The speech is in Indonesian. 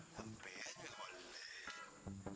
sampe aja boleh